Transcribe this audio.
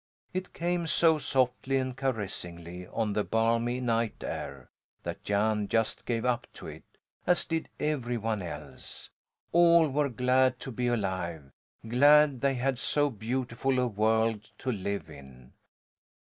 It came so softly and caressingly on the balmy night air that Jan just gave up to it, as did every one else. All were glad to be alive; glad they had so beautiful a world to live in.